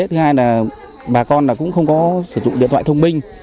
thứ hai là bà con cũng không có sử dụng điện thoại thông minh